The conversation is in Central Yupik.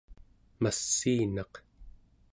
massiinaq